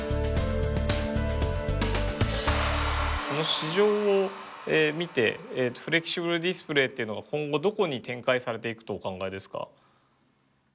この市場を見てフレキシブルディスプレーっていうのが今後どこに展開されていくとお考えですか？